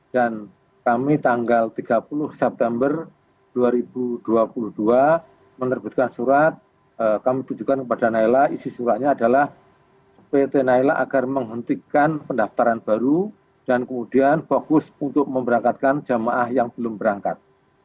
kami tanggal tiga puluh september dua ribu dua puluh dua menerbitkan surat kami tunjukkan kepada naila isi suratnya adalah pt naila agar menghentikan pendaftaran baru dan kemudian fokus untuk memberangkatkan jamaah yang belum berangkat